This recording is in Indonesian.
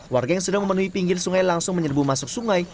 warga yang sudah memenuhi pinggir sungai langsung menyerbu masuk sungai